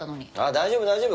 大丈夫大丈夫。